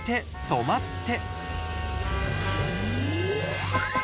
とまって！」。